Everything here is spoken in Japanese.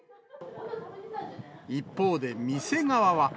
一方で、店側は。